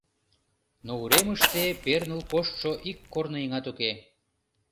Но уремыште перныл коштшо ик корныеҥат уке.